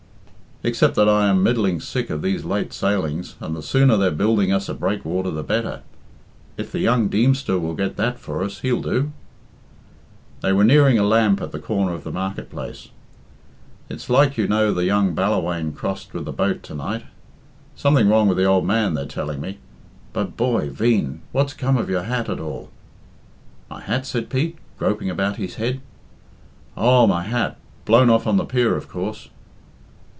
"Except that I am middling sick of these late sailings, and the sooner they're building us a breakwater the better. If the young Deemster will get that for us, he'll do." They were nearing a lamp at the corner of the marketplace. "It's like you know the young Ballawhaine crossed with the boat to night? Something wrong, with the ould man, they're telling me. But boy, veen, what's come of your hat at all?" "My hat?" said Pete, groping about his head. "Oh, my hat? Blown off on the pier, of coorse."